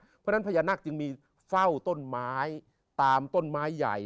เพราะฉะนั้นพญานาคจึงมีเฝ้าต้นไม้ตามต้นไม้ใหญ่